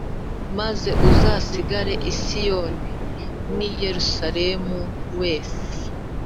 Maze uzasigara i Siyoni n i Yerusalemu wese